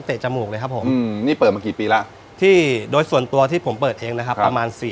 จมูกเลยครับผมนี่เปิดมากี่ปีแล้วที่โดยส่วนตัวที่ผมเปิดเองนะครับประมาณสี่